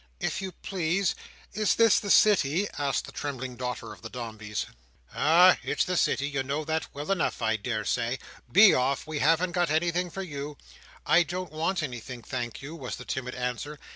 "If you please, is this the City?" asked the trembling daughter of the Dombeys. "Ah! It's the City. You know that well enough, I daresay. Be off! We haven't got anything for you." "I don't want anything, thank you," was the timid answer.